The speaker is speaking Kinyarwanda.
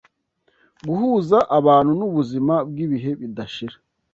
guhuza abantu n’ubuzima bw’ibihe bidashira.